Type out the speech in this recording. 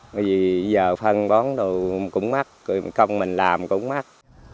bởi vì giờ phân bón đồ cũng mắc công mình làm cũng mắc